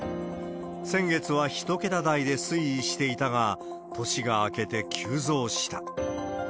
先月は１桁台で推移していたが、年が明けて急増した。